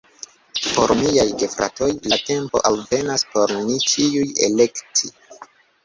Por miaj gefratoj la tempo alvenas por ni ĉiuj elekti